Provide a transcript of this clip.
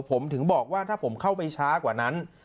ผมถึงบอกว่าถ้าผมเข้าไปช้ากว่านั้น